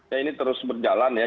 ya ini terus berjalan ya